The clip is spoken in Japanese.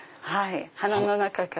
鼻の中から。